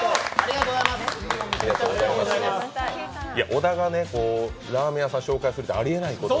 小田がラーメン屋さん紹介するってありえないので。